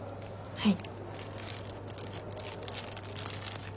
はい。